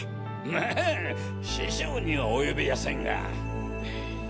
まぁ師匠には及びやせんが。